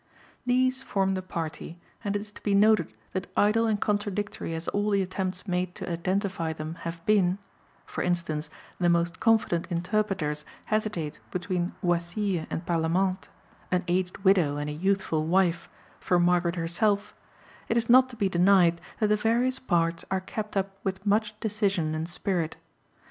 These form the party, and it is to be noted that idle and contradictory as all the attempts made to identify them have been (for instance, the most confident interpreters hesitate between Oisille and Parlamente, an aged widow and a youthful wife, for Margaret herself), it is not to be denied that the various parts are kept up with much decision and spirit.